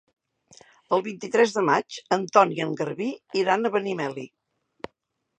El vint-i-tres de maig en Ton i en Garbí iran a Benimeli.